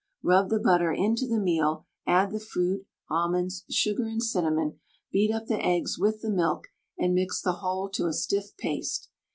Rub the butter into the meal, add the fruit, almonds, sugar, and cinnamon, beat up the eggs with the milk, and mix the whole to a stiff paste.